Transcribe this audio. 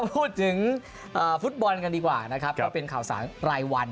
พูดถึงฟุตบอลกันดีกว่านะครับก็เป็นข่าวสารรายวัน